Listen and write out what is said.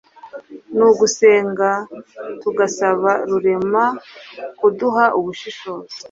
n'ugusenga tugasaba rurema kuduha ubushishozi